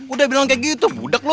udah bilang kayak gitu budak lo